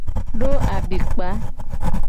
Do abikpa.